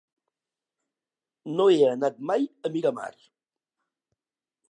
No he anat mai a Miramar.